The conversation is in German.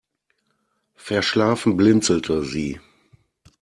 Verschlafen blinzelte sie.